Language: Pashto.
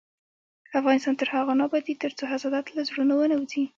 افغانستان تر هغو نه ابادیږي، ترڅو حسادت له زړونو ونه وځي.